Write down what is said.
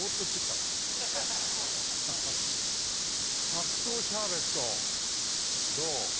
「白桃シャーベット」どう？